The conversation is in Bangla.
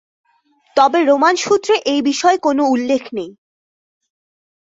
তবে রোমান সূত্রে এই বিষয়ে কোনো উল্লেখ নেই।